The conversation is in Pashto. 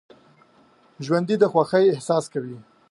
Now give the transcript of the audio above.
ژوندي د خوښۍ احساس کوي